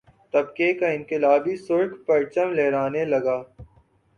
طبقے کا انقلابی سرخ پرچم لہرانے لگا